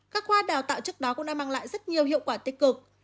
các khoa đào tạo trước đó cũng đã mang lại rất nhiều hiệu quả tích cực